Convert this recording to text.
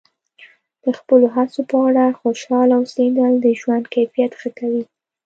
د خپلو هڅو په اړه خوشحاله اوسیدل د ژوند کیفیت ښه کوي.